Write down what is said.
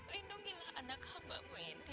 lindungilah anak hambamu ini